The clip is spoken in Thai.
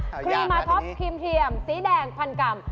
ครีมาท็อปครีมเทียมสีแดงพันกรัม